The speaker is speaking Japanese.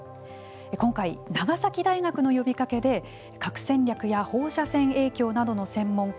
今回、長崎大学の呼びかけで核戦略や放射線影響などの専門家